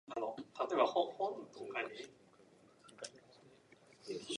It is a high quality forage that does not cause bloat in ruminants.